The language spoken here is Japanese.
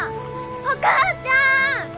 お母ちゃん！